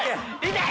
痛い！